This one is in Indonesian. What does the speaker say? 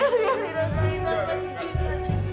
aku yang biarin lo tarik nama titi